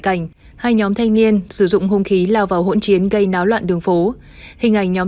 cảnh hai nhóm thanh niên sử dụng hung khí lao vào hỗn chiến gây náo loạn đường phố hình ảnh nhóm